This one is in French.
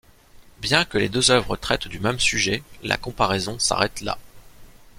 Bien que les deux œuvres traitent du même sujet, la comparaison s'arrête là.